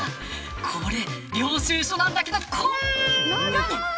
これ、領収書なんだけどこんなに。